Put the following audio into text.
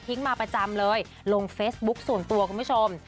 มาประจำเลยลงเฟซบุ๊คส่วนตัวคุณผู้ชม